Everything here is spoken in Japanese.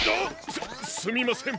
すっすみません